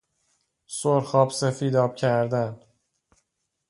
سرخاب سفیداب کردن